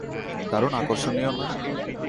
দারুণ আকর্ষণীয় না?